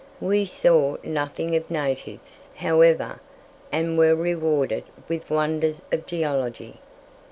We saw nothing of natives, however, and were rewarded with wonders of geology.